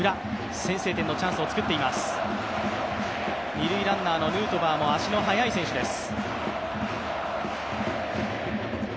二塁ランナーのヌートバーも足の速い選手です。